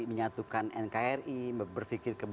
menyatukan nkri berpikir